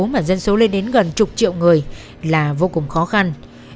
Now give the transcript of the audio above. mà dân số lên đến gần chục triệu người là vô cùng khó khăn